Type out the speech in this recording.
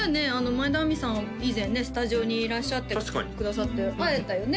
前田亜美さんは以前スタジオにいらっしゃってくださって確かに会えたよね？